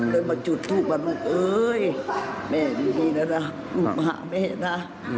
เลยมาจุดทุกข์มาลูกเอ้ยแม่ดีดีนะนะลูกมาหาแม่นะ